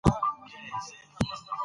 هغه د ځان پیژندنې درسونه ورکوي.